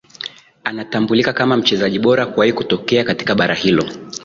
Anatambulika kama mchezaji bora kuwahi kutokea katika bara hilo